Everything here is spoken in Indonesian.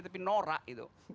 tapi norak itu